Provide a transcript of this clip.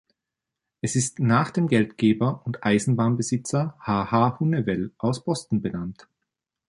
Es ist nach dem Geldgeber und Eisenbahnbesitzer H. H. Hunnewell aus Boston benannt.